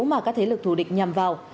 mà các thế lực thù địch nhằm vào